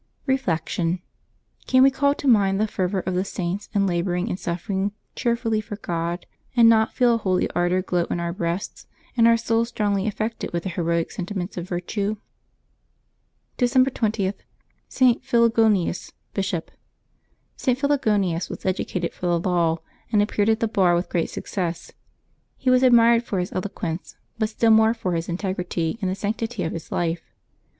Reflection. — Can we call to mind the fervor of the Saints in laboring and suffering cheerfully for God, and not feel a holy ardor glow in our own breasts, and our souls strongly affected with their heroic sentiments of virtue? December 20. ST. PHILOGONIUS, Bishop. [T. Philogonius was educated for the law, and ap peared at the bar with great success. He was ad mired for his eloquence, but still more for his integrity and the sanctity of his life.